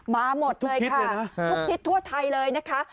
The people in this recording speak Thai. มาหมดเลยค่ะทุกทิศทั่วไทยเลยนะคะ